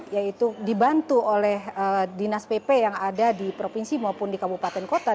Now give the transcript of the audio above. yaitu dibantu oleh dinas pp yang ada di provinsi maupun di kabupaten kota